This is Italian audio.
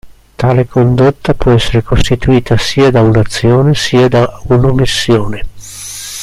Tale condotta può essere costituita sia da un'azione sia da un'omissione.